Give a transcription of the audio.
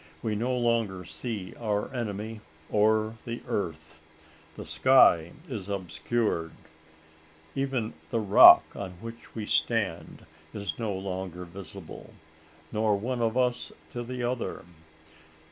We no longer see our enemy or the earth. The sky is obscured even the rock on which we stand is no longer visible, nor one of us to the other!